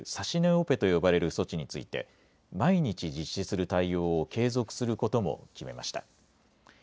オペと呼ばれる措置について毎日、実施する対応を継続することも決めました。